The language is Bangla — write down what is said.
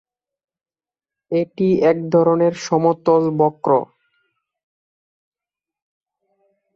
এটি এক ধরনের সমতল বক্র।